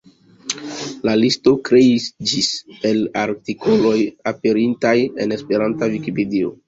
La listo kreiĝis el artikoloj aperintaj en Esperanta Vikipedio.